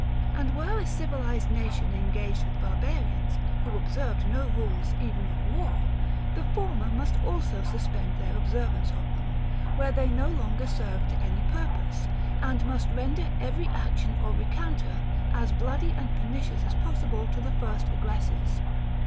And were a civilized nation engaged with barbarians, who observed no rules even of war, the former must also suspend their observance of them, where they no longer serve to any purpose; and must render every action or recounter as bloody and pernicious as possible to the first aggressors.